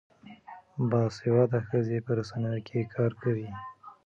باسواده ښځې په رسنیو کې کار کوي.